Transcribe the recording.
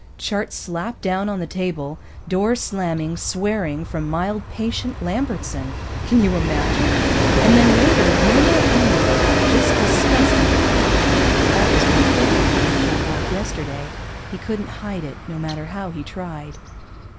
Chart slapping down on the table, door slamming, swearing from mild, patient Lambertson, can you imagine? And then later, no more anger, just disgust and defeat. That was what hit me when he came back yesterday. He couldn't hide it, no matter how he tried.)